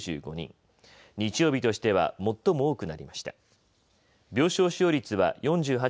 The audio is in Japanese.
日曜日としては最も多くなりました。